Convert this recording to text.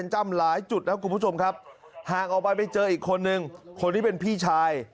หลายจุดครับคุณผู้ชมครับหากเอาไปเจออีกคนนึงคนนี้เป็นพี่ชาย